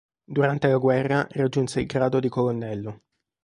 Durante la guerra raggiunse il grado di colonnello.